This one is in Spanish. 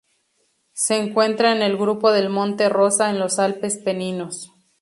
Se encuentra en el grupo del Monte Rosa en los Alpes Peninos.